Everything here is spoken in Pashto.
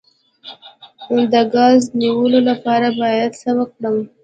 د ګاز د نیولو لپاره باید څه وکړم؟